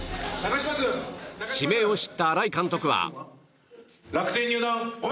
指名を知った新井監督は。